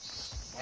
え？